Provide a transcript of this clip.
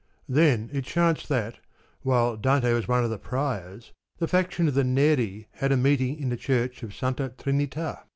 Then it chanced that, while Dante was one of the Priors, the faction of the Neri had a meet ing in the church of Santa Trinita.